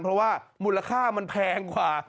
เพราะว่ามูลค่ามันแพงกว่า